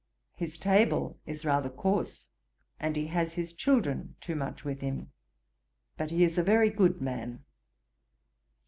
His table is rather coarse, and he has his children too much about him. But he is a very good man.